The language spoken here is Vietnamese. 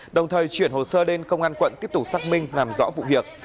đồng thời chuyển hồ sơ đến công an quận tiếp tục xác minh làm rõ vụ việc